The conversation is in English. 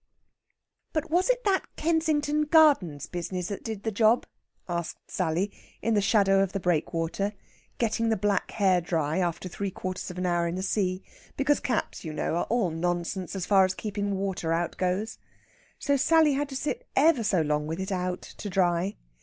"But was it that Kensington Gardens business that did the job?" asked Sally, in the shadow of the breakwater, getting the black hair dry after three quarters of an hour in the sea; because caps, you know, are all nonsense as far as keeping water out goes. So Sally had to sit ever so long with it out to dry.